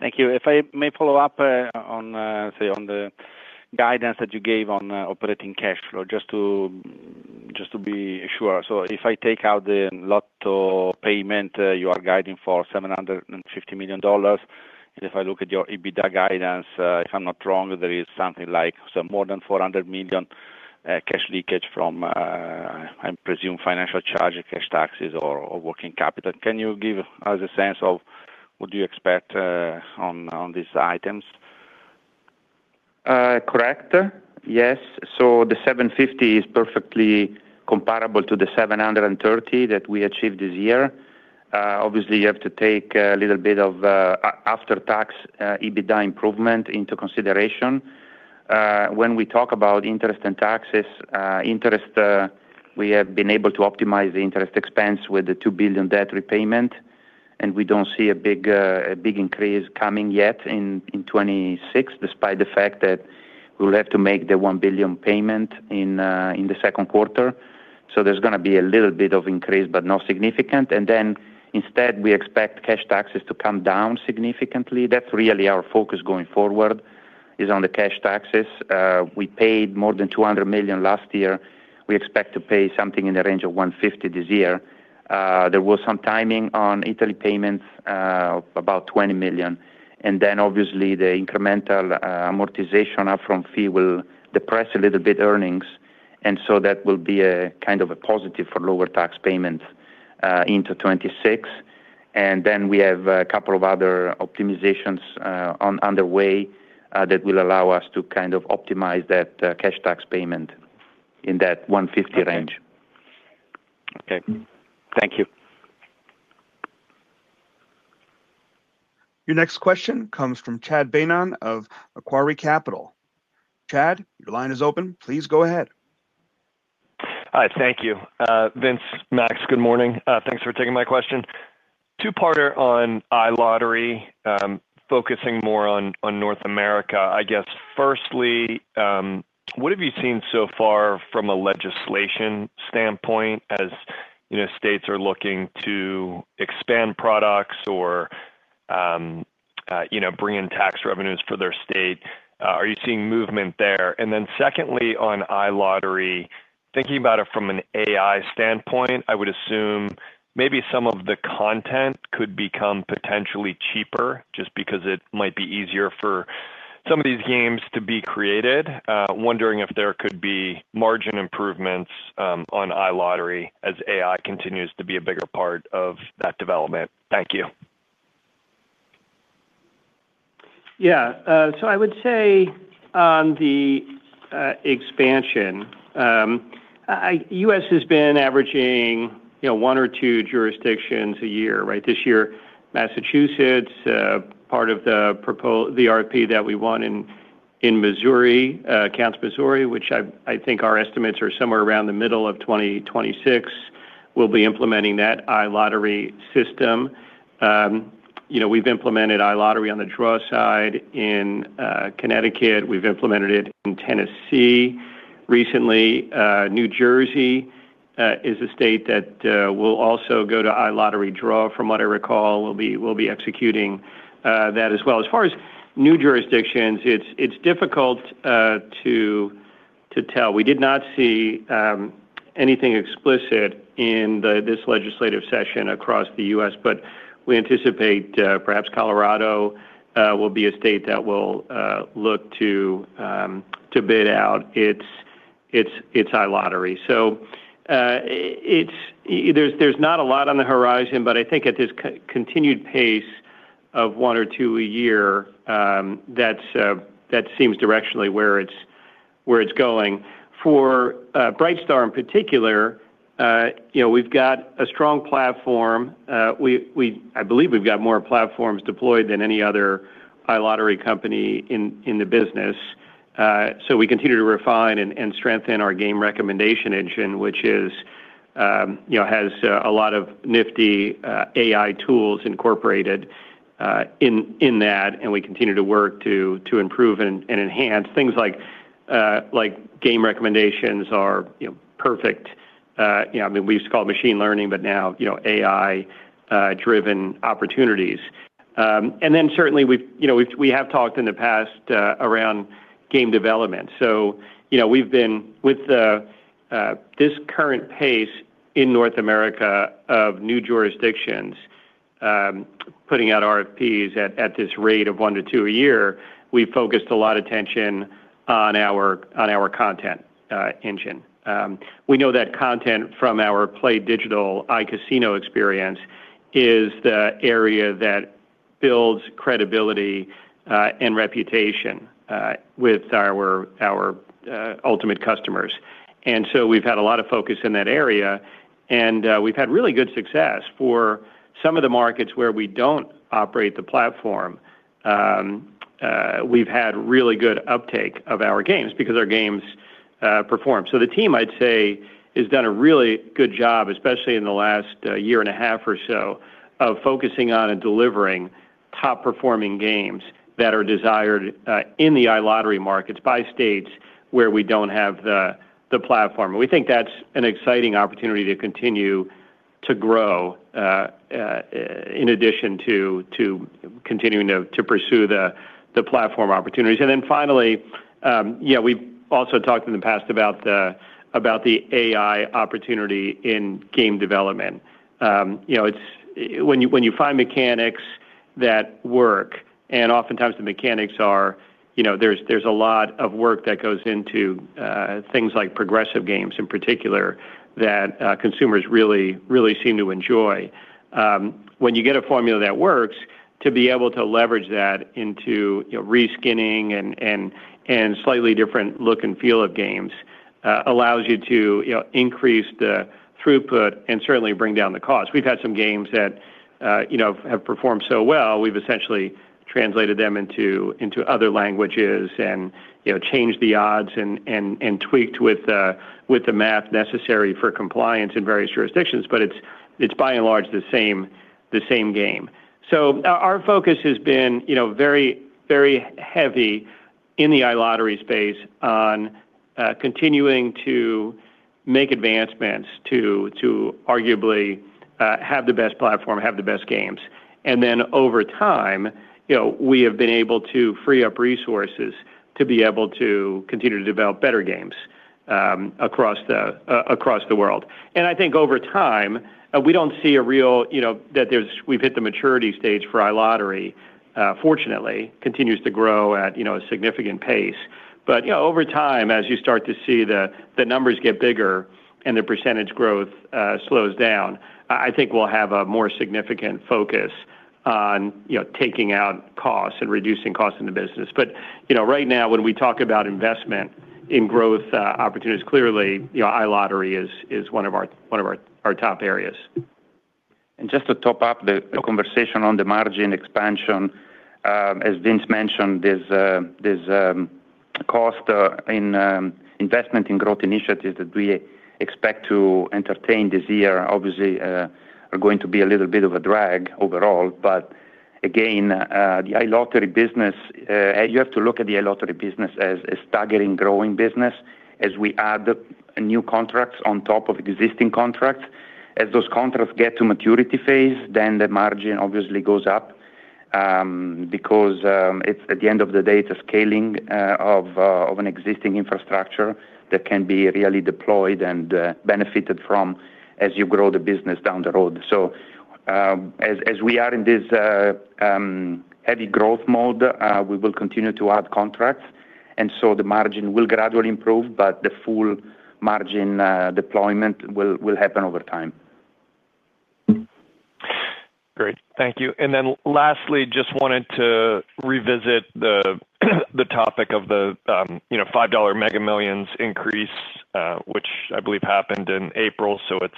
Thank you. If I may follow up on, say, on the guidance that you gave on operating cash flow, just to, just to be sure. If I take out the Lotto payment, you are guiding for $750 million. If I look at your EBITDA guidance, if I'm not wrong, there is something like some more than $400 million cash leakage from, I presume, financial charge, cash taxes, or working capital. Can you give us a sense of what do you expect on these items? Correct. Yes. The $750 million is perfectly comparable to the $730 million that we achieved this year. Obviously, you have to take a little bit of after tax EBITDA improvement into consideration. When we talk about interest and taxes, interest, we have been able to optimize the interest expense with the $2 billion debt repayment, we don't see a big increase coming yet in 2026, despite the fact that we will have to make the $1 billion payment in the Q2. There's gonna be a little bit of increase, but not significant. Instead, we expect cash taxes to come down significantly. That's really our focus going forward, is on the cash taxes. We paid more than $200 million last year. We expect to pay something in the range of $150 this year. There was some timing on Italy payments, about $20 million. Obviously, the incremental amortization upfront fee will depress a little bit earnings, that will be a kind of a positive for lower tax payments into 2026. We have a couple of other optimizations underway that will allow us to kind of optimize that cash tax payment in that $150 range. Okay. Thank you. Your next question comes from Chad Beynon of Macquarie Capital. Chad, your line is open. Please go ahead. Hi, thank you. Vince, Max, good morning. Thanks for taking my question. Two-parter on iLottery, focusing more on North America. I guess, firstly, what have you seen so far from a legislation standpoint, as, you know, states are looking to expand products or, you know, bring in tax revenues for their state? Are you seeing movement there? Secondly, on iLottery, thinking about it from an AI standpoint, I would assume maybe some of the content could become potentially cheaper just because it might be easier for some of these games to be created. Wondering if there could be margin improvements on iLottery as AI continues to be a bigger part of that development. Thank you. I would say on the expansion, U.S. has been averaging, you know, one or two jurisdictions a year, right? This year, Massachusetts, part of the RFP that we won in Missouri, County, Missouri, which I think our estimates are somewhere around the middle of 2026. We'll be implementing that iLottery system. You know, we've implemented iLottery on the draw side in Connecticut. We've implemented it in Tennessee. Recently, New Jersey is a state that will also go to iLottery draw, from what I recall, we'll be executing that as well. As far as new jurisdictions, it's difficult to tell. We did not see anything explicit in this legislative session across the U.S., but we anticipate perhaps Colorado will be a state that will look to bid out its iLottery. There's not a lot on the horizon, but I think at this continued pace of one or two a year, that seems directionally where it's going. For Brightstar in particular, you know, we've got a strong platform. We, I believe we've got more platforms deployed than any other iLottery company in the business. Uh, so we continue to refine and, and strengthen our game recommendation engine, which is, um, you know, has, a lot of nifty, AI tools incorporated, in, in that, and we continue to work to, to improve and, and enhance things like, like, game recommendations are, you know, perfect. You know, I mean, we used to call it machine learning, but now, you know, AI, driven opportunities. And then certainly we've, you know, we've, we have talked in the past, around game development. So, you know, we've been with the, this current pace in North America of new jurisdictions, putting out RFPs at, at this rate of one to two a year, we focused a lot of attention on our, on our content engine. We know that content from our PlayDigital iCasino experience is the area that builds credibility and reputation with our ultimate customers. We've had a lot of focus in that area, and we've had really good success. For some of the markets where we don't operate the platform, we've had really good uptake of our games because our games perform. The team, I'd say, has done a really good job, especially in the last 1.5 years or so, of focusing on and delivering top-performing games that are desired in the iLottery markets by states where we don't have the platform. We think that's an exciting opportunity to continue to grow in addition to continuing to pursue the platform opportunities. Then finally, yeah, we've also talked in the past about the AI opportunity in game development. You know, when you find mechanics that work, and oftentimes the mechanics are, you know, there's a lot of work that goes into things like progressive games, in particular, that consumers really, really seem to enjoy. When you get a formula that works to be able to leverage that into, you know, reskinning and slightly different look and feel of games, allows you to, you know, increase the throughput and certainly bring down the cost. We've had some games that, you know, have performed so well. We've essentially translated them into other languages and, you know, changed the odds and tweaked with the math necessary for compliance in various jurisdictions. It's by and large, the same game. Our focus has been, you know, very, very heavy in the iLottery space on continuing to make advancements to arguably have the best platform, have the best games. Over time, you know, we have been able to free up resources to be able to continue to develop better games across the world. I think over time, we don't see a real, you know, we've hit the maturity stage for iLottery, fortunately, continues to grow at, you know, a significant pace. You know, over time, as you start to see the numbers get bigger and the % growth slows down, I think we'll have a more significant focus on, you know, taking out costs and reducing costs in the business. You know, right now, when we talk about investment in growth opportunities, clearly, you know, iLottery is one of our top areas. Just to top up the conversation on the margin expansion, as Vince mentioned, there's cost in investment in growth initiatives that we expect to entertain this year, obviously, are going to be a little bit of a drag overall. Again, the iLottery business, you have to look at the iLottery business as a staggering, growing business as we add new contracts on top of existing contracts. As those contracts get to maturity phase, then the margin obviously goes up because it's at the end of the day, it's a scaling of an existing infrastructure that can be really deployed and benefited from as you grow the business down the road. As we are in this heavy growth mode, we will continue to add contracts, and so the margin will gradually improve, but the full margin deployment will happen over time. Great. Thank you. Then lastly, just wanted to revisit the topic of the, you know, $5 Mega Millions increase, which I believe happened in April, so it's,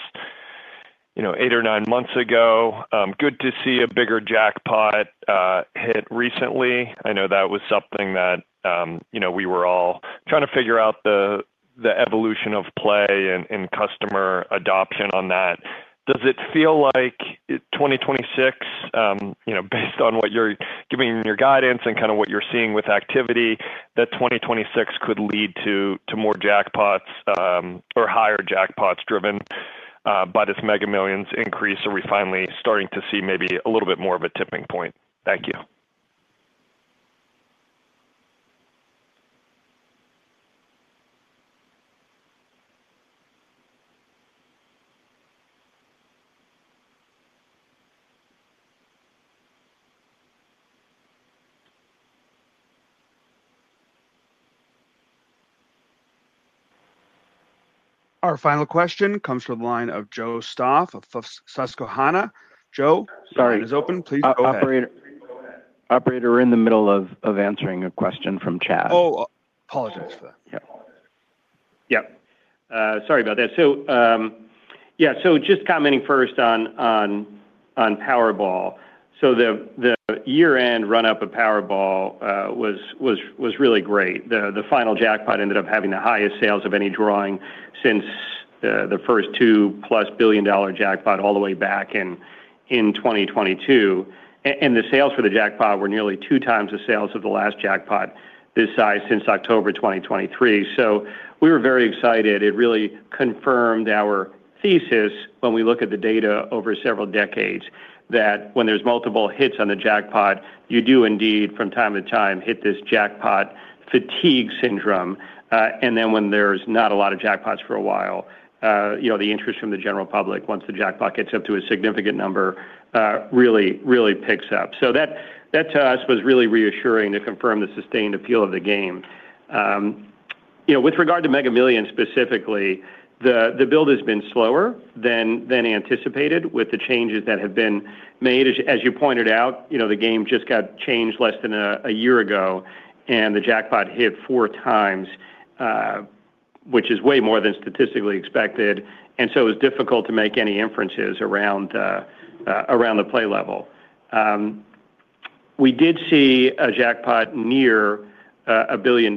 you know, eight or nine months ago. Good to see a bigger jackpot hit recently. I know that was something that, you know, we were all trying to figure out the evolution of play and customer adoption on that. Does it feel like 2026, you know, based on what you're giving in your guidance and kind of what you're seeing with activity, that 2026 could lead to more jackpots, or higher jackpots driven by this Mega Millions increase? Are we finally starting to see maybe a little bit more of a tipping point? Thank you. Our final question comes to the line of Joe Stauff of Susquehanna. Joe? Sorry. The line is open. Please go ahead. Operator, we're in the middle of answering a question from Chad. Oh, apologize for that. Yeah. Yeah, sorry about that. Just commenting first on Powerball. The year-end run-up of Powerball was really great. The final jackpot ended up having the highest sales of any drawing since the first 2+ billion-dollar jackpot all the way back in 2022. The sales for the jackpot were nearly 2x the sales of the last jackpot this size since October 2023. We were very excited. It really confirmed our thesis when we look at the data over several decades, that when there's multiple hits on the jackpot, you do indeed, from time to time, hit this jackpot fatigue syndrome. When there's not a lot of jackpots for a while, you know, the interest from the general public, once the jackpot gets up to a significant number, really, really picks up. That, that, to us, was really reassuring to confirm the sustained appeal of the game. You know, with regard to Mega Millions, specifically, the build has been slower than anticipated with the changes that have been made. As you pointed out, you know, the game just got changed less than a year ago, and the jackpot hit four times, which is way more than statistically expected, and so it's difficult to make any inferences around the play level. We did see a jackpot near $1 billion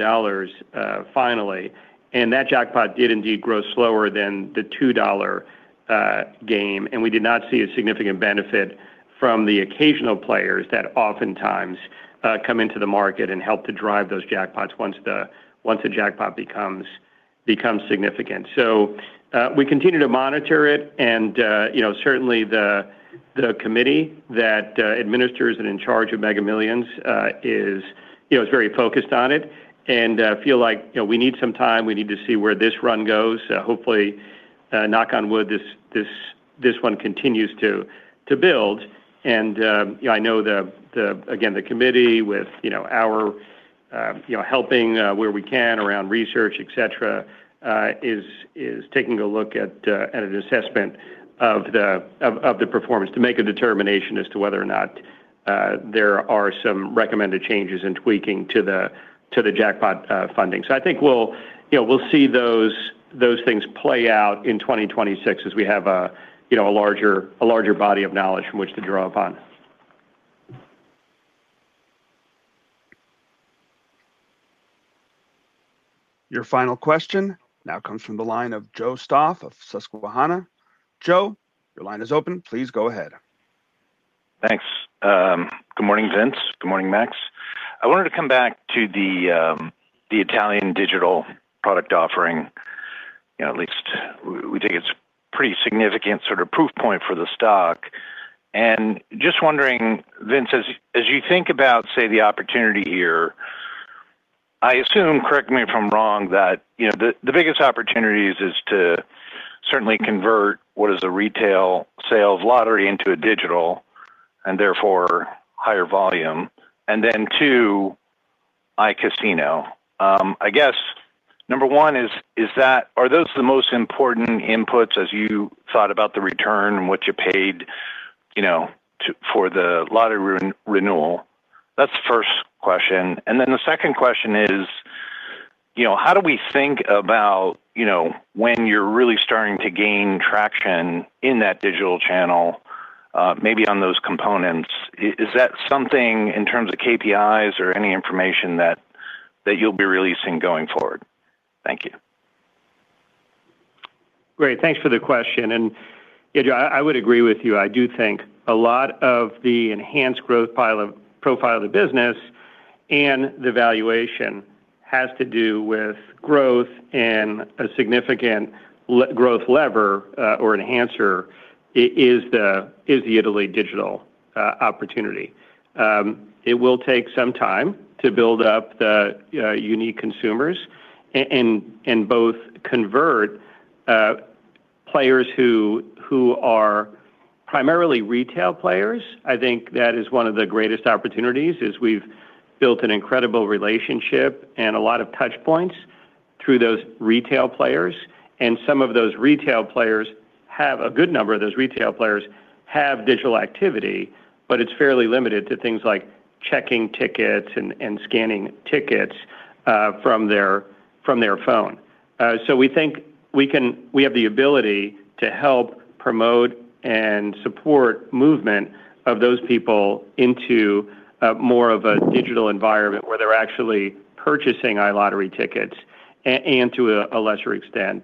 finally, and that jackpot did indeed grow slower than the $2-game, and we did not see a significant benefit from the occasional players that oftentimes come into the market and help to drive those jackpots once the jackpot becomes significant. We continue to monitor it, and you know, certainly the committee that administers and in charge of Mega Millions is, you know, is very focused on it and feel like, you know, we need some time. We need to see where this run goes. Hopefully, knock on wood, this one continues to build. I know the again, the committee with, you know, our... you know, helping, where we can around research, et cetera, is taking a look at an assessment of the performance to make a determination as to whether or not, there are some recommended changes and tweaking to the jackpot, funding. I think we'll, you know, we'll see those things play out in 2026 as we have a, you know, a larger body of knowledge from which to draw upon. Your final question now comes from the line of Joe Stauff of Susquehanna. Joe, your line is open. Please go ahead. Thanks. Good morning, Vince. Good morning, Max. I wanted to come back to the Italian digital product offering. You know, at least we think it's pretty significant sort of proof point for the stock. Just wondering, Vince, as you think about, say, the opportunity here, I assume, correct me if I'm wrong, that, you know, the biggest opportunities is to certainly convert what is a retail sales lottery into a digital, and therefore higher volume, and then to iCasino. I guess, number one is, are those the most important inputs as you thought about the return and what you paid, you know, for the lottery re-renewal? That's the first question. The second question is, you know, how do we think about, you know, when you're really starting to gain traction in that digital channel, maybe on those components? Is that something in terms of KPIs or any information that you'll be releasing going forward? Thank you. Great. Thanks for the question. Yeah, Joe, I would agree with you. I do think a lot of the enhanced growth profile of the business and the valuation has to do with growth, and a significant growth lever or enhancer is the Italy digital opportunity. It will take some time to build up the unique consumers and both convert players who are primarily retail players. I think that is one of the greatest opportunities, is we've built an incredible relationship and a lot of touch points through those retail players, and a good number of those retail players have digital activity, but it's fairly limited to things like checking tickets and scanning tickets from their phone. We think we have the ability to help promote and support movement of those people into more of a digital environment, where they're actually purchasing iLottery tickets, and to a lesser extent,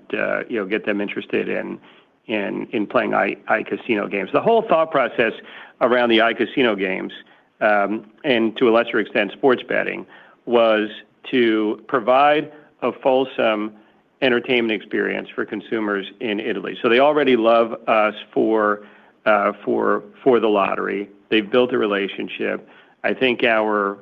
you know, get them interested in playing iCasino games. The whole thought process around the iCasino games, and to a lesser extent, sports betting, was to provide a fulsome entertainment experience for consumers in Italy. They already love us for the lottery. They've built a relationship. I think our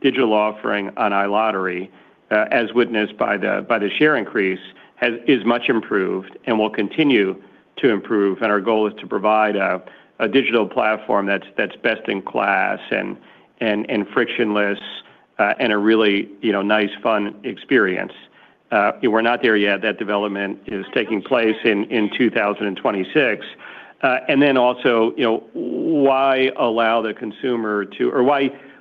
digital offering on iLottery, as witnessed by the share increase, is much improved and will continue to improve, and our goal is to provide a digital platform that's best in class and frictionless, and a really, you know, nice, fun experience. We're not there yet. That development is taking place in 2026. You know,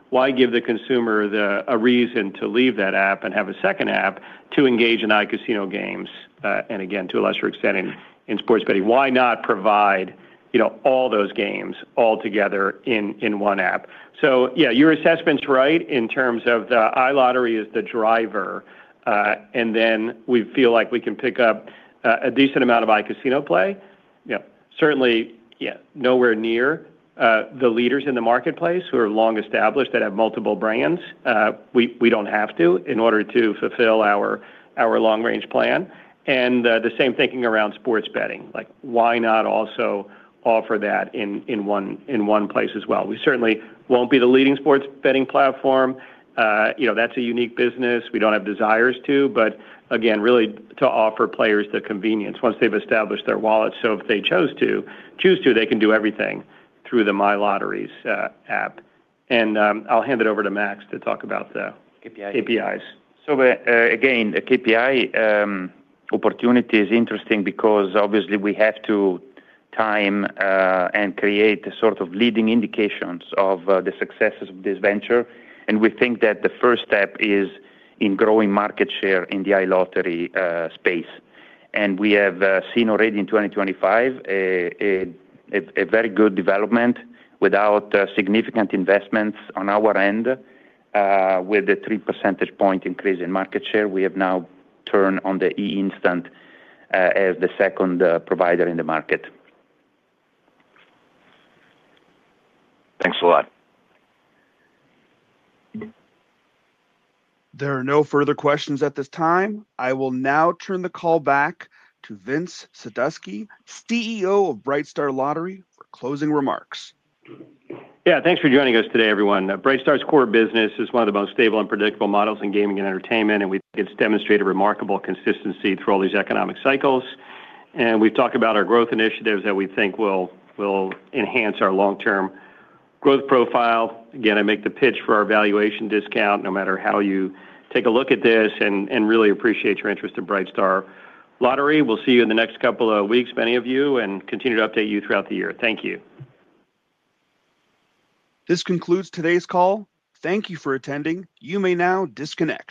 why give the consumer the, a reason to leave that app and have a second app to engage in iCasino games, and again, to a lesser extent, in sports betting? Why not provide, you know, all those games all together in one app? Yeah, your assessment's right in terms of the iLottery is the driver, and then we feel like we can pick up a decent amount of iCasino play. Yeah, certainly, yeah, nowhere near the leaders in the marketplace who are long-established, that have multiple brands. We don't have to in order to fulfill our long-range plan. The same thinking around sports betting. Like, why not also offer that in one, in one place as well? We certainly won't be the leading sports betting platform. you know, that's a unique business. We don't have desires to, but again, really to offer players the convenience once they've established their wallet. So if they choose to, they can do everything through the My Lotteries app. I'll hand it over to Max to talk about. KPIs... KPIs. Again, the KPI opportunity is interesting because obviously we have to time and create the sort of leading indications of the successes of this venture, and we think that the first step is in growing market share in the iLottery space. We have seen already in 2025, a very good development without significant investments on our end, with a 3 percentage point increase in market share. We have now turned on the eInstant as the second provider in the market. Thanks a lot. There are no further questions at this time. I will now turn the call back to Vince Sadusky, CEO of Brightstar Lottery, for closing remarks. Yeah, thanks for joining us today, everyone. Brightstar's core business is one of the most stable and predictable models in gaming and entertainment, we think it's demonstrated remarkable consistency through all these economic cycles. We've talked about our growth initiatives that we think will enhance our long-term growth profile. Again, I make the pitch for our valuation discount, no matter how you take a look at this, and really appreciate your interest in Brightstar Lottery. We'll see you in the next couple of weeks, many of you, and continue to update you throughout the year. Thank you. This concludes today's call. Thank you for attending. You may now disconnect.